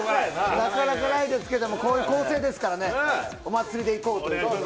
なかなかないですけど、こういう構成ですからね、お祭りでいこうということで。